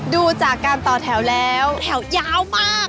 ดูจากการต่อแถวแล้วแถวยาวมาก